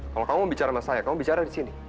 kalau kamu mau bicara sama saya kamu bicara disini